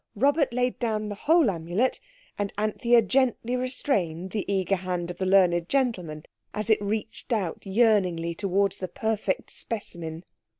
Robert laid down the whole Amulet, and Anthea gently restrained the eager hand of the learned gentleman as it reached out yearningly towards the "perfect specimen".